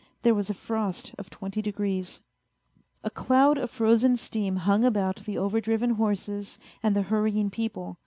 There was a frost of twenty degrees. A cloud of frozen steam hung about the overdriven horses and the hurrying people.